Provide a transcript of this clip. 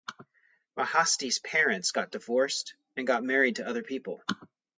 Mahasti's parents got divorced and got married to other people.